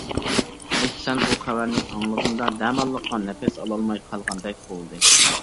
ئېھسان بۇ خەۋەرنى ئاڭلىغىنىدا دەماللىققا نەپەس ئالالماي قالغاندەك بولدى.